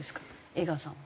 江川さんは。